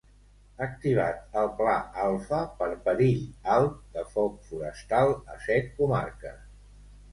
Activat el Pla Alfa per perill alt de foc forestal a set comarques.